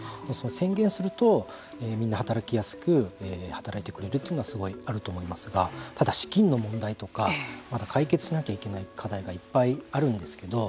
宣言するとみんな働きやすく働いてくれるというのがすごいあると思いますがただ、資金の問題とかまだ解決しなきゃいけない課題がいっぱいあるんですけれども。